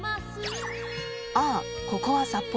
ああここは札幌。